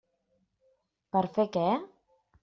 Per fer què?